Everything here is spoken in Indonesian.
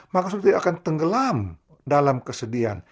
maka sebetulnya akan tenggelam dalam kesedihan